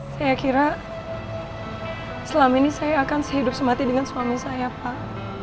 saya kira selama ini saya akan sehidup semati dengan suami saya pak